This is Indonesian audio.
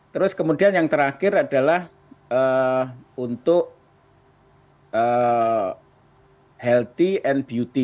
terus kemudian yang terakhir adalah untuk healthy and beauty